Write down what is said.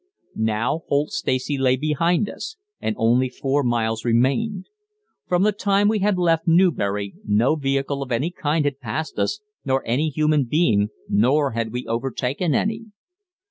Now Holt Stacey lay behind us, and only four miles remained. From the time we had left Newbury no vehicle of any kind had passed us, nor any human being, nor had we overtaken any.